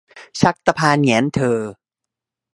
ชักตะพานแหงนเถ่อ